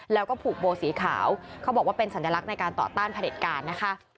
แล้วก็ผูกโบสีขาวเขาบอกว่าเป็นสัญลักษณ์ในการต่อต้านผลิตการนะคะ